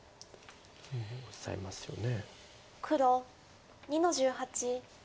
オサえますよね。